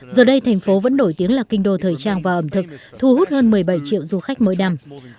giờ đây thành phố vẫn nổi tiếng là kinh đô thời trang và ẩm thực thu hút hơn một mươi bảy triệu du khách mỗi năm